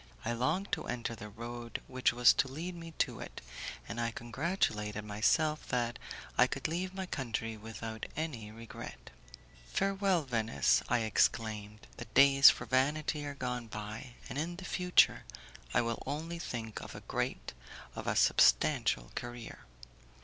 I longed to enter the road which was to lead me to it, and I congratulated myself that I could leave my country without any regret. Farewell, Venice, I exclaimed; the days for vanity are gone by, and in the future I will only think of a great, of a substantial career!